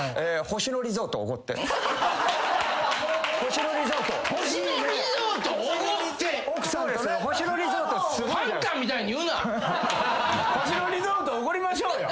星野リゾートおごりましょうよ。